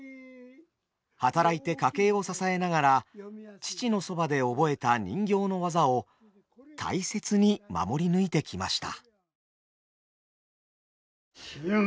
働いて家計を支えながら父のそばで覚えた人形の技を大切に守り抜いてきました。